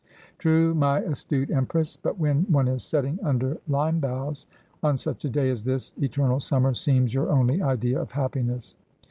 ' True, my astute empress. But when one is setting under lime boughs on such a day as this, eternal summer seems your only idea of happiness.'